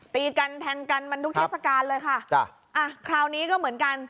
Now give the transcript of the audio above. ตีกันแทงกันมนุษย์เทศกาลเลยค่ะคราวนี้ก็เหมือนกัน